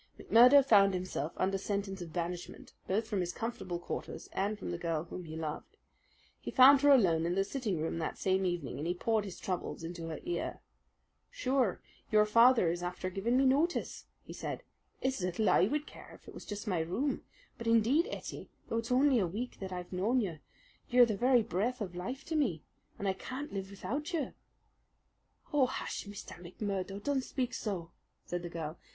McMurdo found himself under sentence of banishment both from his comfortable quarters and from the girl whom he loved. He found her alone in the sitting room that same evening, and he poured his troubles into her ear. "Sure, your father is after giving me notice," he said. "It's little I would care if it was just my room, but indeed, Ettie, though it's only a week that I've known you, you are the very breath of life to me, and I can't live without you!" "Oh, hush, Mr. McMurdo, don't speak so!" said the girl.